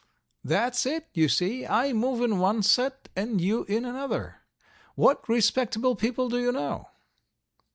"That's it, you see. I move in one set and you in another. What respectable people do you know?"